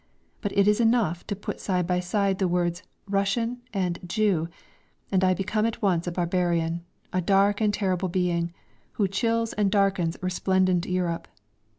But it is enough to put side by side the words "Russian" and "Jew," and I become at once a barbarian, a dark and terrible being, who chills and darkens resplendent Europe.